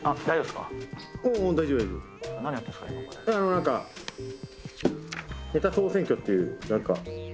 なんか「ネタ総選挙」っていうなんか。